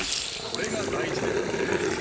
これが大事ですかね。